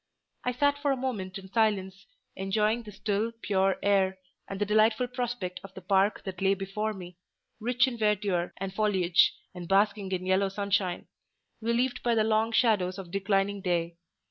I sat for a moment in silence, enjoying the still, pure air, and the delightful prospect of the park that lay before me, rich in verdure and foliage, and basking in yellow sunshine, relieved by the long shadows of declining day.